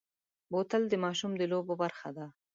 بوتل د ماشوم د لوبو برخه ده.